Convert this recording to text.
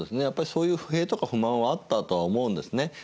やっぱりそういう不平とか不満はあったとは思うんですね。